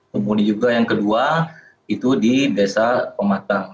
kemudian juga yang kedua itu di desa pematang